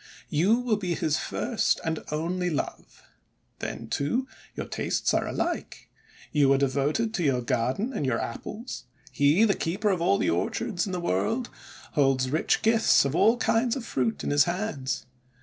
' You will be his first and only love ! Then, too, your tastes are alike. You are devoted to your garden and your Apples. He, the Keeper of All the Orchards in the World, holds rich gifts of all kinds of fruits in his hands.